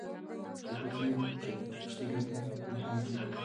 په اوبو کې یې کشتۍ لکه نهنګ ځي